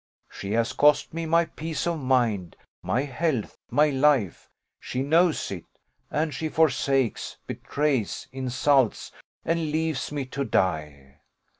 She has cost me my peace of mind, my health, my life; she knows it, and she forsakes, betrays, insults, and leaves me to die.